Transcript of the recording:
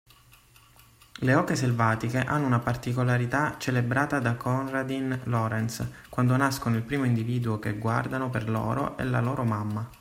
Le oche selvatiche hanno una particolarità celebrata da Konradin Lorenz, quando nascono il primo individuo che guardano per loro è la loro mamma.